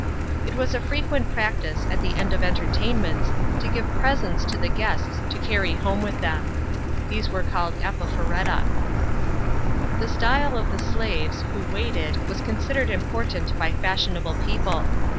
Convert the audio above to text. It was a frequent practice, at the end of entertaii ments, to give presents to the guests to carry home with them. These were called apophorefa.* The style of the slaves, who waited, was considered important by fashionable people.